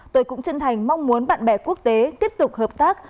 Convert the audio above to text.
tôi cũng chân thành mong muốn bạn bè quốc tế tiếp tục hợp tác